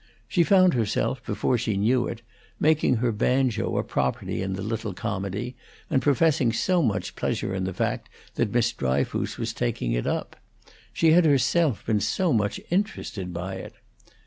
She found herself, before she knew it, making her banjo a property in the little comedy, and professing so much pleasure in the fact that Miss Dryfoos was taking it up; she had herself been so much interested by it.